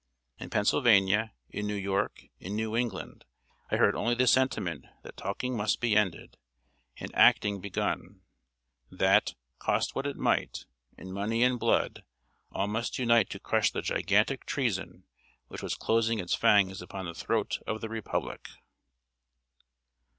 In Pennsylvania, in New York, in New England, I heard only the sentiment that talking must be ended, and acting begun; that, cost what it might, in money and blood, all must unite to crush the gigantic Treason which was closing its fangs upon the throat of the Republic.